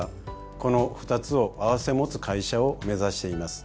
この２つを併せ持つ会社を目指しています。